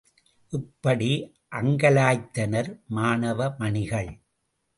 இப்படி அங்கலாய்த்தனர், மாணவ மணிகள்.